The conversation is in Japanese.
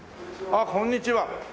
ああこんにちは。